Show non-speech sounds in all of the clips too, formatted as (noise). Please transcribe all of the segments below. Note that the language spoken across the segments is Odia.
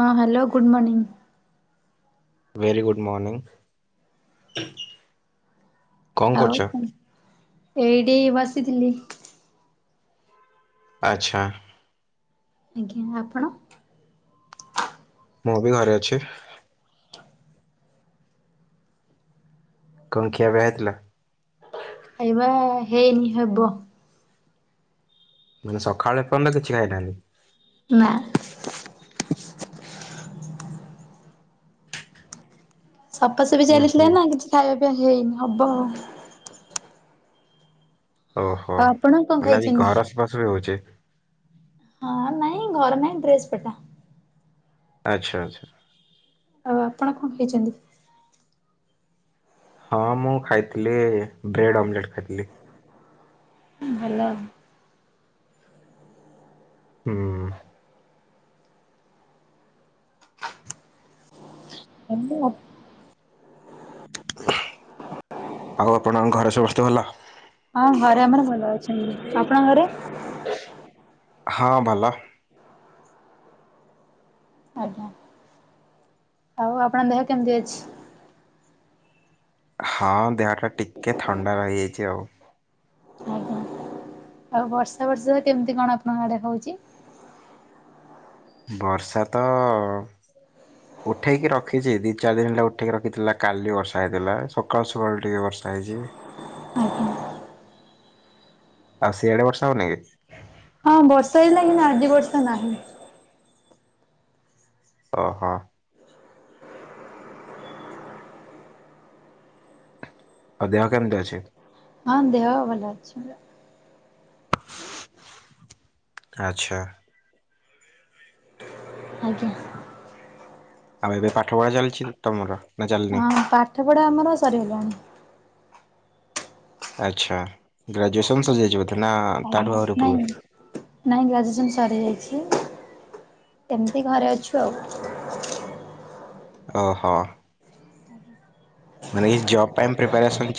ହଁ hello good morning. Very good morning. ଆଉ ଏଇଠି ବସିଥିଲି। ଆଚ୍ଛା। ଆଜ୍ଞା ଆପଣ? ମୁଁ ବି ଘରେ ଅଛି। କଣ ଖିଆ ପିଆ ହେଇଥିଲା? ଏ ବା ହେଇନି ହେବ। ମାନେ ସକାଳେ ଏ ପର୍ଯ୍ୟନ୍ତ କିଛି ଖାଇନାହାନ୍ତି। ନା। ସଫାସଫି ଉଁ ଚାଲିଥିଲା ହୁଁ ନା କିଛି ଖାଇବା ପିଇବା ହେଇନି ହବ ଆଉ। ଓହୋ ଆଉ ଆପଣ କଣ ମାନେ ଆଜି ଖାଇଛନ୍ତି? ଘର ସଫା ସଫି ହଉଛି। ହଁ ନାଇଁ ଘର ନାଇଁ ଡ୍ରେସ ପଟା। ଆଚ୍ଛା ଆଚ୍ଛା। ଆଉ ଆପଣ କଣ ଖାଇଛନ୍ତି? ହଁ ମୁଁ ଖାଇଥିଲି ବ୍ରେଡ଼୍ ଅମଲେଟ୍ ଖାଇଥିଲି। ଭଲ ଆଉ। ହୁଁ। (unintelligible) ଆଉ ଆପଣଙ୍କ ଘରେ ସମସ୍ତେ ଭଲ? ହଁ ଘରେ ଆମର ଭଲ ଅଛନ୍ତି। ଆପଣଙ୍କ ଘରେ? ହଁ ଭଲ। ଆଜ୍ଞା। ଆଉ ଆପଣଙ୍କ ଦେହ କେମିତି ଅଛି? ହଁ ଦେହଟା ଟିକେ ଥଣ୍ଡା ରହିଯାଇଛି ଆଉ। ଆଜ୍ଞା ଆଉ ବର୍ଷା ବର୍ଷା କେମିତି କଣ ଆପଣଙ୍କ ଆଡେ ହଉଛି? ବର୍ଷା ତ ଉଠାଇକି ରଖିଛି ଦି ଚାରି ଦିନ ହେଲା ଉଠାଇକି ରଖିଥିଲା। କାଲି ବର୍ଷା ହେଇଥିଲା, ସକାଳୁ ସକାଳୁ ଟିକେ ବର୍ଷା ହେଇଛି। (inaudible) (unintelligible) ଆଉ ସିଆଡେ ବର୍ଷା ହଉନି କି? ହଁ ବର୍ଷା ହେଇଥିଲା କିନ୍ତୁ ଆଜି ବର୍ଷା ନାହିଁ। ଓହୋ। ଆଉ ଦେହ କେମିତି ଅଛି? ହଁ ଦେହ ଭଲ ଅଛି। ଆଚ୍ଛା। ଆଜ୍ଞା। ଆଉ ଏବେ ପାଠ ପଢା ଚାଲିଛି ତମର ନା ଚାଲିନି। ହଁ ପାଠ ପଢ଼ା ଆମର ସରିଗଲାଣି। ଆଚ୍ଛା ଗ୍ରାଜୁଏସନ୍ ସରି ଯାଇଥିବ ବେଧେ ନା ଆଜ୍ଞା ତାଠୁ ଆଉରି ନାଇଁ ଉଠିବ। ନାଇଁ ଗ୍ରାଜୁଏସନ ସରି ଯାଇଛି। ଏମିତି ଘରେ ଅଛୁ ଆଉ। ଓହୋ। ମାନେ ଏଇ ଜବ୍ ପାଇଁ ପ୍ରିପାରାରେସନ୍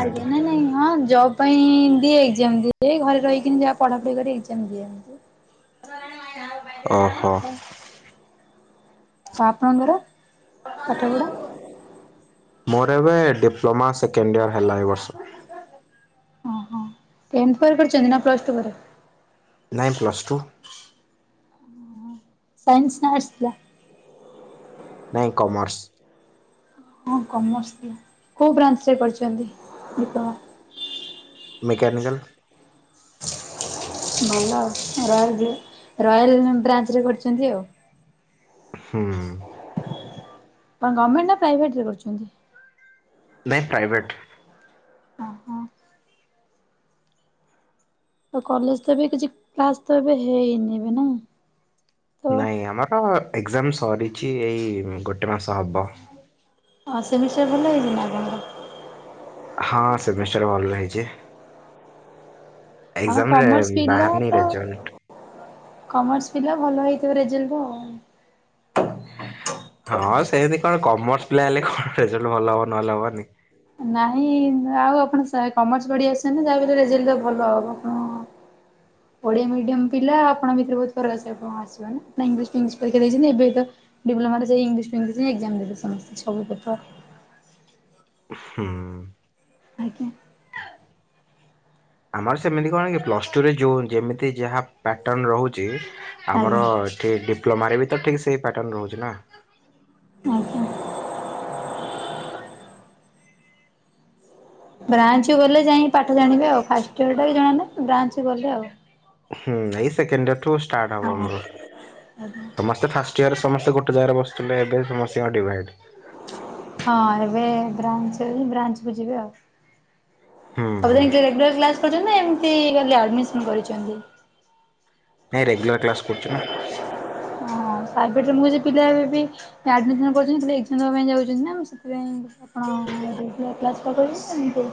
ଆଜ୍ଞା ନାଇଁ ନାଇଁ ହଁ ଜବ୍ ପାଇଁ ଦିଏ, ଏକ୍ସମ୍ ଦିଏ, ଘରେ ରହିକିନି ଯାହା ପଢା ପଢି କରି ଏକ୍ସାମ ଦିଅନ୍ତି୍। ଓହୋ। ଆଉ ଆପଣଙ୍କର ପାଠପଢା। ମୋର ଏବେ ଡିପ୍ଲୋମା ସେକେଣ୍ଡ ଇୟର ହେଲା ଏ ବର୍ଷ। ଓହୋ ଟେନ୍ଥ ପରେ କରିଛନ୍ତି ନା ପ୍ଲସ୍ ଟୁ ପରେ? ନାଇଁ ପ୍ଲସ୍ ଟୁ। ସାଇନ୍ସ ନା ଆର୍ଟ୍ସ ଥିଲା? ନାହିଁ କମର୍ସ। ହଁ କମର୍ସ, କୋଉ ବ୍ରାଞ୍ଚରେ କରିଛନ୍ତି ଡିପ୍ଲୋମା? ମେକାନିକଲ୍। ଭଲ ଆଉ ରାଲ ରୟାଲ ବ୍ରାଞ୍ଚ ରେ କରିଛନ୍ତି ଆଉ। ହୁଁ। କଁ ଗଭମେଣ୍ଟ ନା ପ୍ରାଇଭେଟରେ କରୁଛନ୍ତି? ନାଇଁ ପ୍ରାଇଭେଟ। ଓହୋ ଆଉ କଲେଜ ତ ବି କିଛି କ୍ଲାସ ତ ଏବେ ହେଇନି ବି ନା ‌। ନାଇଁ ଆମର ତ ଏଜାମ ସରିଛି ଏଇ ଗୋଟେ ମାସ ହବ। ହଁ ସେମିଷ୍ଟର ଭଲ ହେଇଛି ନା ଆପଣଙ୍କ? ହଁ ସେମିଷ୍ଟର ଭଲ ହେଇଚି। ହଁ ଏଗଜାମ ରେ କମର୍ସ ପିଲା ବାହାରନି ତ ରେଜଲ୍ଟ। କମର୍ସ ପିଲା ଭଲ ହେଇଥିବ ରେଜଲ୍ଟ ଆଉ। ହଁ ସେମିତି କଣ କମର୍ସ ପିଲା ହେଲେ କଣ ରେଜଲ୍ଟ ଭଲ ହବ ନହେଲେ ହବନି। ନାଇଁ ଆଉ ଆପଣ ସାଇ କମର୍ସ ପଢି ଆସିଛନ୍ତି ଯାଆ ବଲି ରେଜଲ୍ଟ ଭଲ ହବ, ହଁ। ଓଡିଆ ମିଡିୟମ ପିଲା ଆପଣ ଭିତରେ ବହୁତ ଫରକସ ଆପଣ ଆସିବ ନା ଇଂଶ ପରୀକ୍ଷା ଦେଇଛନ୍ତି ଏବେ ତ (unintelligible) ଡିପ୍ଲୋମା ରେ ଯାଇ ଇଂଲିଶ ଟୁ ଇଂଲିଶ ଏକ୍ସାମ ଦେଇ ସମସ୍ତେ ସବୁ ପେପର ହୁଁ। ଆଜ୍ଞା। (unintelligible) ଆମର ସେମିତି କଣ କି, ପ୍ଲସ ଟୁରେ ଯୋଉ ଯେମିତି ଯାହା ପାଟର୍ଣ୍ଣ ରହୁଚି ଆମର ଆଜ୍ଞା ଏଠି ଡିପ୍ଲୋମାରେ ବି ତ ଠିକ୍ ସେଇ ପ୍ୟାଟର୍ଣ୍ଣ ରହୁଚି ନା? ଅହ। ବ୍ରାଞ୍ଚ ଗଲେ ଯାଇକି ପାଠ ଜାଣିବେ ଆଉ, ଫାଷ୍ଟ ଇୟର ଟା ବି ଜଣାନାଇ, ବ୍ରାଞ୍ଚ ଗଲେ ଆଉ ହୁଁ, ଏଇ ସେକଣ୍ଡର ଠୁ ଷ୍ଟାର୍ଟ ହବ ହଁ ଆମର, ଆଜ୍ଞା ସମ ତ ଫାଷ୍ଟ ଇୟରରେ ସମସ୍ତେ ଗୋଟେ ଜାଗାରେ ବସିଥିଲେ, ଏବେ ସମସ୍ତଙ୍କ ଡିଭାଇଡ୍ ହଁ ଏବେ ବ୍ରାଞ୍ଚ, ବ୍ରାଞ୍ଚକୁ ଯିବେ ଆଉ। ହୁଁ ଅନଲାଇନ୍ (unintelligible) ରେଗୁଲାର୍ କ୍ଲାସ କରଛନ୍ତିନା, ଏମିତି ଖାଲି ଆଡ଼ମିଶନ୍ କରିଚନ୍ତି? ନାଇଁ ରେଗୁଲାର୍ କ୍ଲାସ୍ କରୁଚି ନା। ଓ ସାରପଟରେ ମୁଁ ଯେ ପିଲା ଏବେ ବି ଆଡ଼ମିଶନ କରିଚନ୍ତି, ପୁଣି ଏଗଜାମ୍ ଦେବାପାଇଁ ଯାଉଚନ୍ତି ନା, ମୁଁ ସେଥିପାଇଁ ଆପଣ ରେଗୁଲାର କ୍ଲାସ ଟା କରିବେ ନା ଏମିତି?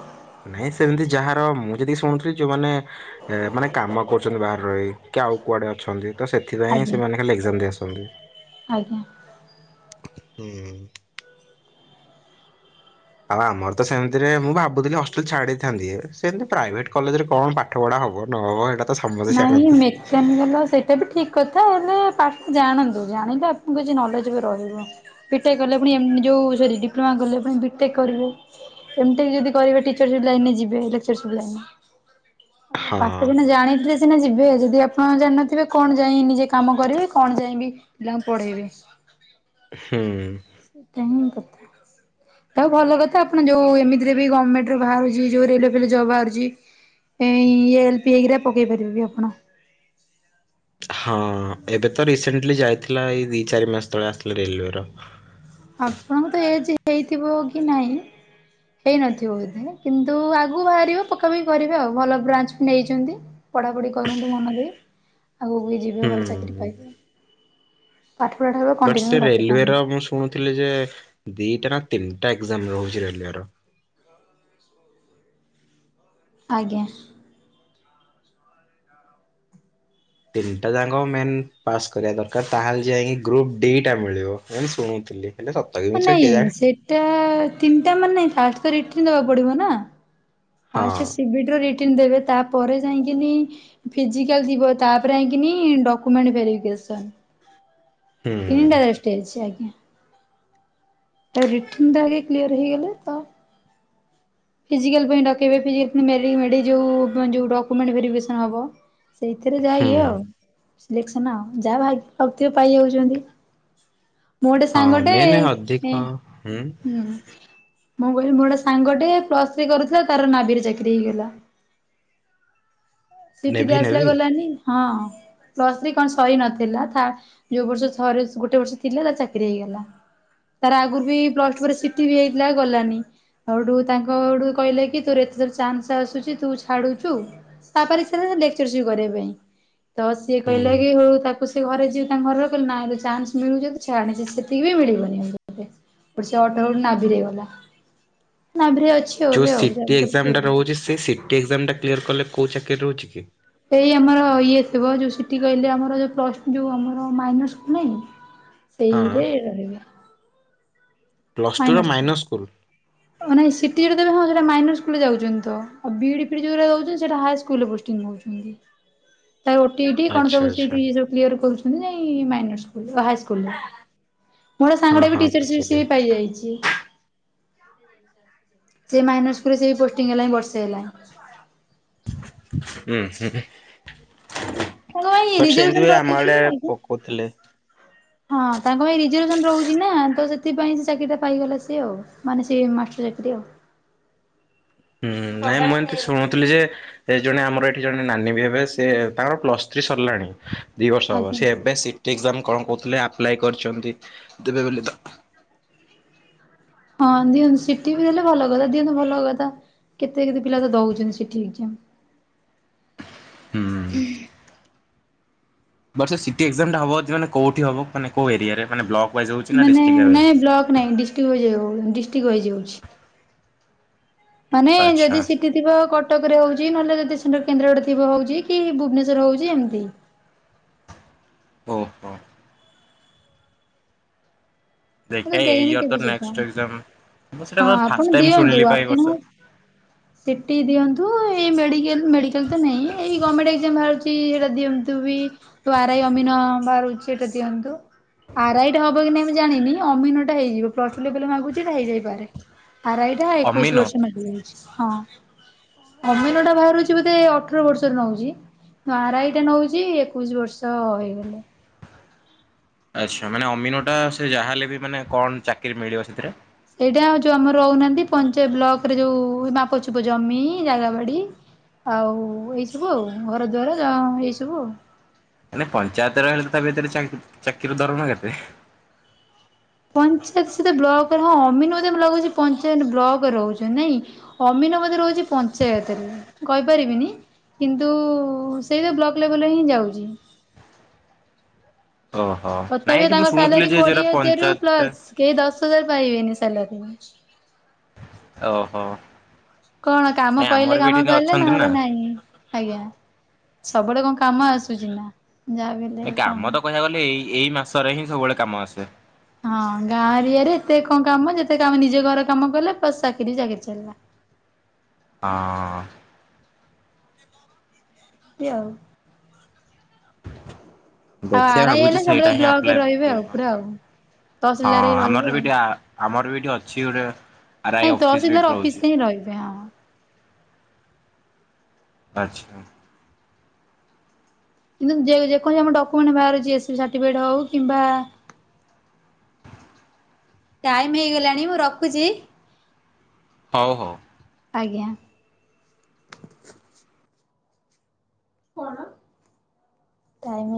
ନାଇଁ ସେମିତି ଯାହାର, ମୁଁ ଯେତିକି ଶୁଣୁଥିଲି ଯୋଉମାନେ, ଏ ମାନେ କାମ କରୁଚନ୍ତି ବାହାର ରହି, କି ଆଉ କୁଆଡେ ଅଛନ୍ତି, ତ ସେଥିପାଇଁ ଆଜ୍ଞା ସେମାନେ ଖାଲି ଏଗଜାମ୍ ଦେଇ ଆସନ୍ତି। ଆଜ୍ଞା। ହୁଁ ଉଁ। ଆଉ ଆମର ତ ସେମିତିରେ, ମୁଁ ଭାବୁଥିଲି ହଷ୍ଟେଲ ଛାଡିଥାନ୍ତି, ସେମିତି ପ୍ରାଇଭେଟ କଲେଜରେ କଣ ପାଠ ପଢ଼ା ହବ, ନହବ ହେଟା ନାଇଁ ମେକାନିକାଲ୍ ସେ ତେବେ ଠିକ୍ କଥା, ହେଲେ ପାଠ ଜାଣନ୍ତୁ, ଜାଣିଲେ ଆପଣଙ୍କୁ କିଛି ନଲେଜ ବି ରହିବ। ବିଟେକ୍ କଲେ ପୁଣି ଏ ଯେଉଁ ସରି ଡିପ୍ଲୋମା କଲେ, ପୁଣି ବିଟେକ୍ କରିବେ। ଏମଟେକ୍ ଯଦି କରିବେ, ଟିଚରସିପ୍ ଲାଇନ ରେ ଯିବେ, ଲେଚରସିପ୍ ଲାଇନ୍ ହଁ ପାଠ ସିନା ଜାଣି ରେ ସିନା ଯିବେ, ଯଦି ଆପଣ ଜାଣିନଥିବେ, କଣ ଯାଇ ନିଜେ କାମ କରିବେ, କଣ ଯାଇଁକି ପିଲାଙ୍କୁ ପଢେଇବେ? ହୁଁ। ଏଇଟା ହିଁ କଥା। ଆଉ ଭଲ କଥା। ଆପଣ ଯୋଉ ଏମିତିରେ ବି ଗଭର୍ଣ୍ଣମେଣ୍ଟରେ ବାହାରୁଚି, ଯୋଉ ରେଲୱେ ଫେଲୱେ ଜବ୍ ବାହାରୁଚି ଏ ଇ ଏ (unintelligible) ପକେଇ ପାରିବେ ବି ଆପଣ? ହଁ, ଏବେ ତ ରିସେଣ୍ଟଲି ଯାଇଥିଲା, ଏଇ ଦିଇ ଚାରି ମାସ ତଳେ ଆସିଥିଲା ରେଲୱେର। ଆପଣଙ୍କୁ ତ ଏଜ୍ ହେଇଥିବ କି ନାହିଁ ହେଇନଥିବ ବୋଧେ କିନ୍ତୁ ଆଗୁ ବାହାରିବ ପକାପକି କରିବେ ଆଉ, ଭଲ ବ୍ରାଞ୍ଚ ବି ନେଇଚନ୍ତି। ପଢାପଢି କରନ୍ତୁ ମନଦେଇ, ଆଗକୁ ଯିବେ ହୁଁ ଭଲ ଚାକିରୀ ପାଇବେ। ପାଠ ପଢା ଟାକୁ ବଟ୍ ସେ କଣ୍ଟିନ୍ୟୁ ରେଲୱେର ରଖିଥାନ୍ତୁ। ମୁଁ ଶୁଣୁଥିଲି ଯେ, ଦିଟା ନା ତିନିଟା ଏକ୍ଜାମ ରହୁଚି ରେଲୁଏର୍? ଆଜ୍ଞା। ତିନିଟା ଯାକ ମେନ୍ ପାସ୍ କରିବା ଦରକାର, ତାହେଲେ ଯାଇକି ଗ୍ରୁପ ଡି ଟା ମିଳିବ ଏମିତି ଶୁଣୁଥିଲି, ହେଲେ ସ ହ ନାଇଁ, ସେଇଟା ତିନିଟା ମାନେ, ଫାଷ୍ଟ୍ ତ ରିଟିନ୍ ଦବାକୁ ପଡିବ ନା? ହଁ ଫାଷ୍ଟ ସିବି ଟି ର ରିଟିନ୍ ଦେବେ, ତା ପରେ ଯାଇକିନି ଫିଜିକାଲ୍ ଥିବ, ତାପରେ ଆଇକିନି ଡକୁମେଣ୍ଟ ଫେରେଇକି ଆସନ୍। ହୁଁ ହୁଁ। (unintelligible) ଆଜ୍ଞା, ରିଟିନ୍ ଟା ଆଗେ କ୍ଳିଅର ହେଇଗଲେ ତ ଫିଜିକାଲ ପାଇଁ ଡକେଇବେ, (unintelligible) ଯୋଉ ଡକୁମେଣ୍ଟ ଭେରୀଫି କେସନ୍ ହବ। ସେଇଥିରେ ଯାହା ହୁଁ ଇଏ ଆଉ, ସିଲେକ୍ସନ ଆଉ, ଯାହା ଭାଗ୍ୟ କରିଥିବେ ପାଇ ଯାଉଚନ୍ତି। ମୁଁ ଗୋଟେ ହଁ ସାଙ୍ଗଟେ, ମେନ୍ ଅଧିକ ଏଁ ହୁଁ। ମୁଁ କହିଲି ମୋ ଗୋଟେ ସାଙ୍ଗ ଟେ ପ୍ଲସ ଥ୍ରୀ କରୁଥିଲା ତାର ନାଭିରେ ଚାକିରି ହେଇଗଲା। ସିଟି ରେ ନେଭି ଆସିଲା ନେଭି ଗଲାନି? ହଁ। ପ୍ଲସ କଣ ସରି ନଥିଲା ଥା ଯୋଉ ବର୍ଷ ଗୋଟେ ବର୍ଷ ଥିଲା ତାର ଚାକିରି ହେଇଗଲା। ତାର ଆଗରୁ ବି ପ୍ଲସ୍ ଟୁ ପରେ ସିଟି ବି ହେଇଥିଲା ଗଲାନି। ଆଉ ହେଠୁ ତାଙ୍କ ଆଡୁ କହିଲେ କି ତୋର ଏତେଥର ଚାନ୍ସ ଆସୁଛି ତୁ ଛାଡୁଛୁ ତା ବାପା ର ଲେକ୍ଚରସିପ୍ କରିବା ପାଇଁ। ତ ସିଏ ହୁଁ କହିଲା କି ହଉ ତାକୁ ସେ ଘରେ ଯିଏ ତାଙ୍କ ଘର ର କହିଲେ ନାଲେ ଚାନ୍ସ ମିଳୁଛି ଯଦି ଛାଡିଛି ସେତିକି ବି ମିଳିବନି (unintelligible) ନାଭିରେ ଗଲା। ନାଭିରେ ଅଛି। ଆଉ ଯୋଉ ଏବେ ଆଉ ଜବ୍ ସିଟି କରୁଛି ଏକ୍ଜାମ ଆଉ। ଟା ରହୁଛି ସେ ସିଟି ଏକ୍ଜାମ ଟା କ୍ଲିୟର କଲେ କୋଉ ଚାକିରି ରହୁଛି କି? ଏଇ ଆମର ଇଏ ଥିବ ଯୋଉ ସିଟି କହିଲେ ଆମର ଯୋଉ ପ୍ଲସ୍ ଟୁ ଯୋଉ ଆମର ମାଇନର ସ୍କୁଲ ନାହିଁକି? (inaudible) ସେଇରେ ରହିବା। ପ୍ଲସ ଟୁ ର ମାଇନର୍ ସ୍କୁଲ? ନାଇଁ ସିଟି ଯେଉଟା ଦେବେ ହଁ ସେଟା ମାଇନର ସ୍କୁଲରେ ଯାଉଛନ୍ତି ତ। ଆଉ B E D - fee E D ଯେଉଁଟା ଯାଉଛି ସେଇଟା ହାଇ ସ୍କୁଲରେ ପୋଷ୍ଟିଂ ହଉଛନ୍ତି। (inaudible) ତା ଓ-ଟି-ଟି-ଇ କଣ ଆଚ୍ଛା ସବୁ ସେ ଆଚ୍ଛା। ଯୋଉ ଇଏ ସବୁ କ୍ଲିୟର କରୁଛନ୍ତି ଯାଇ ମାଇନର୍ ସ୍କୁଲ, ହାଇସ୍କୁଲ ମୋର ସାଙ୍ଗ ହଁ ଟେ ବି ହଁ ଟିଚରସିପ ବୁଝିଲି ସିଏ ପାଇଯାଇଛି। (inaudible) ସେ ମାଇନର ସ୍କୁଲରେ ସେ ବି ପୋଷ୍ଟିଂ ହେଲାଣି ବର୍ଷ ହେଲା। ହୁଁ ହଁ। ତାଙ୍କ ପାଇଁ ବଟ ସେମିତି ରିଜର୍ଭେସନ ବି ଆମ ରହୁଛି ଆଡେ ଆଜ୍ଞା। ପକଉଥିଲେ। ହଁ ତାଙ୍କ ପାଇଁ ରିଜରଭେସନ ରହୁଛି ନା ତ ସେଥିପାଇଁ ସେ ଚାକିରି ଟା ପାଇଗଲା ସିଏ ଆଉ ମାନେ ସେ ମାଷ୍ଟର ଚାକିରି ଆଉ। ହୁଁ ନାଇଁ ମୁଁ ଏମତି ଶୁଣୁଥିଲି ଯେ ସେ ଜଣେ ଆମର ଏଠି ଜଣେ ନାନୀ ବି ହେବେ ସେ ତାଙ୍କର ପ୍ଲସ ଥ୍ରୀ ସରିଲାଣି ଦୁଇ ବର୍ଷ ହେବ। ଆଜ୍ଞା। ସେ ଏବେ ସିଟି ଏକ୍ଜାମ କଣ କହୁଥିଲେ ଆପ୍ଲାଏ କରିଛନ୍ତି ଦେବେ ବୋଲି ତ। ହଁ ଦିଅନ୍ତୁ ସିଟି ବି ଦେଲେ ଭଲ କଥା ଦିଅନ୍ତୁ ଭଲ କଥା। କେତେ କେତେ ପିଲା ତ ଦଉଛନ୍ତି ସିଟି ଏକ୍ଜାମ। ହୁଁ। ବଟ ସେ ସିଟି ଏକ୍ଜାମ ଟା ହବ ଯଦି ମାନେ କୋଉଠି ହବ ମାନେ କୋଉ ଏରିଆରେ ମାନେ ବ୍ଲକ ୱାଇଜ ହଉଛି ନା ମାନେ ଡିଷ୍ଟ୍ରିକ୍ଟ ନାଇଁ ୱାଇଜ? ବ୍ଲକ ନାଇଁ ଡିଷ୍ଟ୍ରିକ୍ ୱାଇଜ ଡିଷ୍ଟ୍ରିକ୍ଟ ୱାଇଜ୍ ହଉଛି। ମାନେ ଆଚ୍ଛା ଯଦି ଥିବ କଟକରେ ହଉଛି ନହେଲେ ଯଦି ସେଣ୍ଟର କେନ୍ଦ୍ରାଡେ ଥିବ ହଉଛି କି ଭୁବନେଶ୍ଵରରେ ହଉଛି ଏମିତି। ହଉ। ମୁଁ ତ ଦେଖିବା ଏଇ ଦେଇନି ଇୟର ତ କେବେ ସେଇଟା। ନେକ୍ସଟ ଏକ୍ଜାମ ମୁଁ ସେଇଟା ତ ହଁ, ଫାଷ୍ଟ ଆପଣ ଟାଇମ ଦିଅନ୍ତୁ ଶୁଣିଲି ପା ଏଇ ବର୍ଷ ଆପଣ ସିଟି ଦିଅନ୍ତୁ, ଏଇ ମେଡ଼ିକାଲ୍ ମେଡ଼ିକାଲ୍ ତ ନାହିଁ ଏଇ ଗଭର୍ଣ୍ଣମେଣ୍ଟ ଏକ୍ଜାମ ବାହାରୁଛି ସେଇଟା ଦିଅନ୍ତୁ। ବି ଯୋଉ ଆର ଆଇ, ଅମିନ ବାହାରୁଚି ଟା ଦିଅନ୍ତୁ ଆର ଆଇଟା ହବ କି ନାହିଁ ଜାଣିନି। ଅମିନ ଟା ହେଇଯିବ ପ୍ଲସ ଟୁ ଲେବୁଲ୍ ମାଗୁଛି ଏଟା ହେଇ ଯାଇପାରେ ଆର୍ ଆଇ ଟା ଅମିନ ଏକୋଇଶି ବର୍ଷ ମାଗି। (unintelligible) ହଁ, ଅମିନ ଟା ବାହାରୁଛି ବୋଧେ ଅଠର ବର୍ଷରେ ନଉଛି। ଆର ଆଇ ଟା ନଉଛି ଏକୋଇଶି ବର୍ଷ ହେଇଗଲେ। ଆଚ୍ଛା ମାନେ ଅମିନ ଟା ସେ ଯାହା ହେଲେ ବି କଣ ଚାକିରି ମିଳିବ ସେଥିରେ? ସେଇଟା ଯୋଉ ଆମର ରହୁନାହାନ୍ତି ପଞ୍ଚାୟତ ବ୍ଲକରେ ଯୋଉ ମାପଚୁପ ଜମି, ଜାଗା ବାଡି ଆଉ ଏଇ ସବୁ ଆଉ ଘର ଦୁଆର ଏଇ ସବୁ ଆଉ। ନା ପଞ୍ଚାୟତ ର ହେଲେ ତା ଭିତରେ ଚାକିରିର ଦରମା କେତେ? ପଞ୍ଚାୟତ ସେଟା ବ୍ଲକରେ ହଁ ଅମିନ ମତେ ଲାଗୁଛି ପଞ୍ଚାୟତ ବ୍ଲକ ରେ ରହୁଛି ନାଇଁ କି? ଅମିନ ବୋଧେ ରହୁଛି ପଞ୍ଚାୟତରେ, କହିପାରିବିନି କିନ୍ତୁ ସେଇ ତ ବ୍ଲକ୍ ଲେବଲରେ ହିଁ ଯାଉଛି। ଓହୋ ନାଇଁ ତଥାପି ଏଇଠି ତାଙ୍କ ମୁଁ ସାଲାରୀ ଶୁଣୁଥିଲି ଯେ କୋଡିଏ ଯୋଉଟା ହଜାରରୁ ପଞ୍ଚାୟତ ପ୍ଲସ କେହି ଦଶ ହଜାର ପାଇବେନି ସାଲାରୀ। ଓହୋ। କଣ କାମ ନାଇଁ ଆମର ପଇଲେ ବି କାମ ଏଠି କଲେ ଅଛନ୍ତି ନା ନହେଲେ ନାଇଁ। ଆଜ୍ଞା ସବୁଆଡେ କଣ କାମ ଆସୁଚି ନା ଯାହା ବି ହେଲେ ଏ କଣ କାମ ତ କହିବାକୁ ଗଲେ ଏଇ ଏଇ ମାସରେ ହିଁ ସବୁବେଳେ କାମ ଆସେ। ହଁ ଗାଁ ଏରିଆରେ ଏତେ କଣ କାମ ଯେତେ କାମ ନିଜ ଘର କାମ କଲେ ପ୍ଲସ ଚାକିରି କି ଚାକିରି ଚାଲିଲା। ହଁ। ଏମିତି ଆଉ। ଆଉ ଦେଖିବା ଆରାଇ ହେଲେ ଭାବୁଚି ସବୁବେଳେ ସେଇଟା ହିଁ ବ୍ଲକରେ ଆପ୍ଲାଇ ରହିବେ ପକେଇ ଆଉ ପୁରା ଆଉ। ହଁ ତହସିଲଦାର ହେଇ ରହିବେ ଆମର ଆଉ ବିି ଆମର ବି ଏଠି ଅଛି ଗୋଟେ ଆର୍ ଆଇ ନାଇଁ ଅଫିସ୍ ବି ତହସିଲଦାର ଏଇଠି ରୋହୂଚି। ଅଫିସରେ ହିଁ ରହିବେ ହଁ। ଆଚ୍ଛା। କିନ୍ତୁ ଯେ ଯେକୌଣସି ଆମର ଡକ୍ୟୁମେଣ୍ଟ ବାହାରୁ ଛି (unintelligible) ସାର୍ଟିବିକେଟ ହଉ କିମ୍ବା ଟାଇମ୍ ହେଇଗଲାଣି ମୁଁ ରଖୁଚି। ହୋଉ ହୋଉ। ଆଜ୍ଞା। (unintelligible)